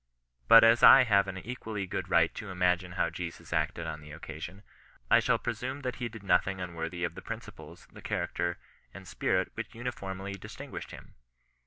But as I have an equally good right to imagine how Jesus acted on the occasion, I shall pre sume that he did nothing unworthy of the principles, the character, and spirit which uniformly distinguished him.